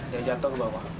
dia jatuh ke bawah